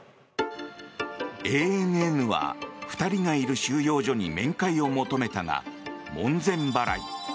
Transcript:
ＡＮＮは２人がいる収容所に面会を求めたが門前払い。